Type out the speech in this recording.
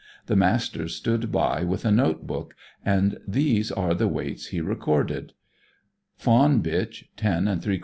The Master stood by with a note book, and these are the weights he recorded: Fawn bitch 10 3/4 lbs.